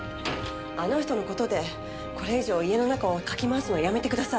あの人の事でこれ以上家の中をかき回すのやめてください。